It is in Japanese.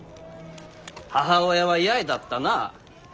母親は八重だったな。